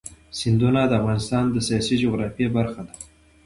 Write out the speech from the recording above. سیندونه د افغانستان د سیاسي جغرافیه برخه ده.